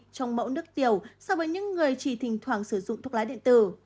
trong mẫu nước tiểu so với những người chỉ thỉnh thoảng sử dụng thuốc lá điện tử